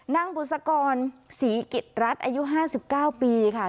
นางบุษกรศรีกิจรัฐอายุห้าสิบเก้าปีค่ะ